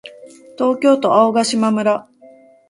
東京都青ヶ島村